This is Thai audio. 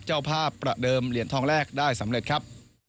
เจ้าภาพประเดิมเหรียญทองแรกได้สำเร็จครับ